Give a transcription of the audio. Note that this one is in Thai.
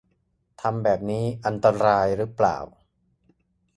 ทำแบบนี้อันตรายหรือเปล่า